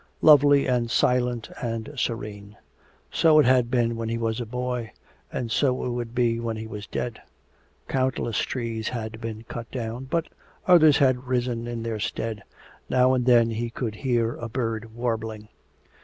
Lovely and silent and serene. So it had been when he was a boy and so it would be when he was dead. Countless trees had been cut down but others had risen in their stead. Now and then he could hear a bird warbling.